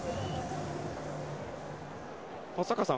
松坂さん